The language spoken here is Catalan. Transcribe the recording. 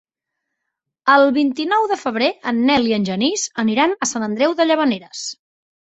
El vint-i-nou de febrer en Nel i en Genís aniran a Sant Andreu de Llavaneres.